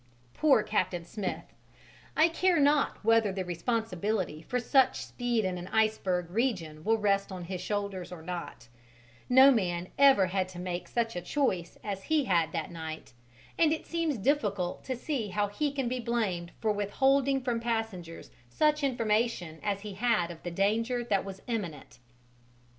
Poor Captain Smith! I care not whether the responsibility for such speed in iceberg regions will rest on his shoulders or not: no man ever had to make such a choice as he had that night, and it seems difficult to see how he can be blamed for withholding from passengers such information as he had of the danger that was imminent.